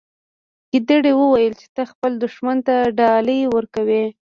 ګیدړې وویل چې ته خپل دښمن ته ډالۍ ورکوي.